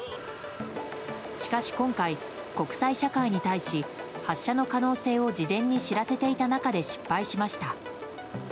しかし今回、国際社会に対し発射の可能性を事前に知らせていた中で失敗しました。